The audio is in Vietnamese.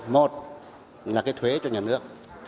một là cái thuế cho nhà nước